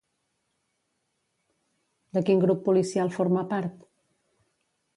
De quin grup policial forma part?